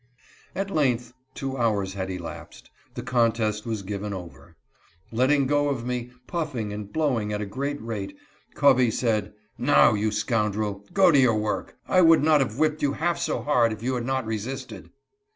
At length (two hours had elapsed) the contest was given over. Letting go of me, puffing and blowing at a great rate, Covey said : "Now, you scoundrel, go to your work ; I would not have whipped you half so hard if you had not resisted."